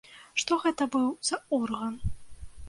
Што гэта быў за орган?